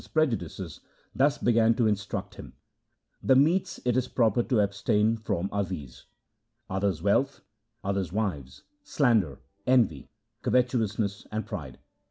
LIFE OF GURU ANGAD 33 Amar Das's prejudices, thus began to instruct him :' The meats it is proper to abstain from are these — Others' wealth, others' wives, slander, envy, covetous ness, and pride.